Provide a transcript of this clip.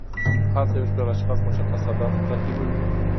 هلته یو شمیر اشخاص مشخص اهداف تعقیبوي.